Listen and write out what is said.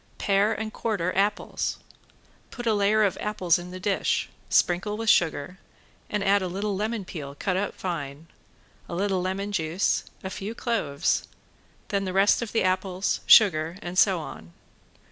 Pare and quarter apples. Put a layer of apples in the dish, sprinkle with sugar, and add a little lemon peel, cut up fine, a little lemon juice, a few cloves; then the rest of the apples, sugar and so on.